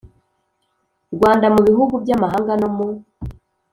Rwanda mu bihugu by amahanga no mu